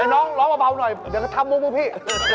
น้องร้องเบาหน่อยเดี๋ยวก็ทำมุมของพี่